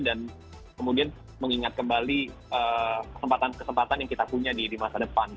dan kemudian mengingat kembali kesempatan kesempatan yang kita punya di masa depan gitu